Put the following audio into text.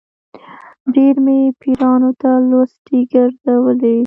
ډېر مې پیرانو ته لوټې ګرځولې.